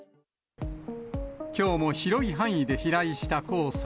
きょうも広い範囲で飛来した黄砂。